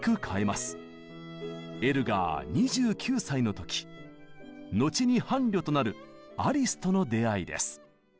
しかしエルガー２９歳の時後に伴侶となるアリスとの出会いです。